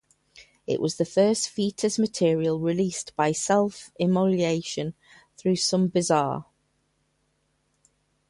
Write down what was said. It was the first Foetus material released by Self Immolation through Some Bizzare.